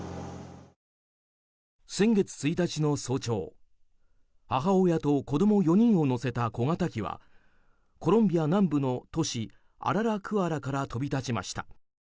先月１日の早朝母親と子供４人を乗せた小型機はコロンビア南部の都市アララクアラから飛び立ちました。